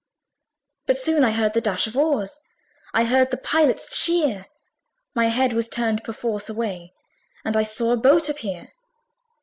But soon I heard the dash of oars; I heard the Pilot's cheer; My head was turned perforce away, And I saw a boat appear.